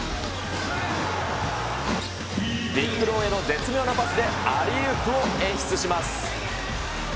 ヴィック・ローへの絶妙なパスでアリウープを演出します。